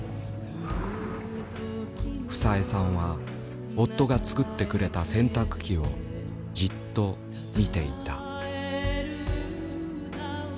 房江さんは夫が作ってくれた洗濯機をじっと見ていた。